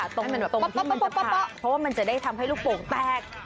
ตรงที่มันจะพักเพราะว่ามันจะได้ทำให้ลูกโปกแปลก